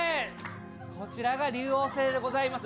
こちらが竜王星でございます。